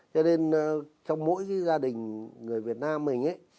cho nên trong mỗi gia đình người việt nam mình ấy